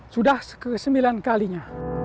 sudah sembilan kalinya